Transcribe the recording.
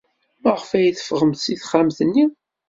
Maɣef ay teffɣemt seg texxamt-nni?